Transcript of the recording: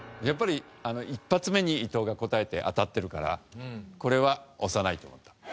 やっぱり一発目に伊藤が答えて当たってるからこれは押さないと思った。